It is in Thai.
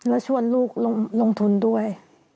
แล้วชวนลูกลงทุนด้วย